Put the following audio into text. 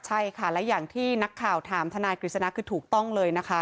ใช่ค่ะและอย่างที่นักข่าวถามทนายกฤษณะคือถูกต้องเลยนะคะ